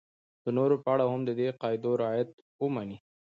د نورو په اړه هم د دې قاعدو رعایت ومني.